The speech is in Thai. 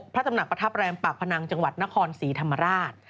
พระตำหนักประทับแรมปากพนังจังหวัดนครศรีธรรมราช